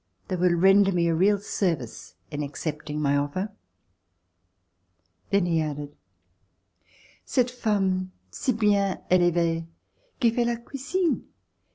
They will render me a real service in accepting my offer." Then he added: "Cette femme, si bien elevee! qui fait la cuisine ..